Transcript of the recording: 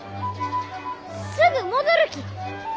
すぐ戻るき！